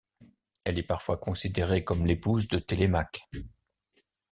Elle est parfois considérée comme l'épouse de Télémaque.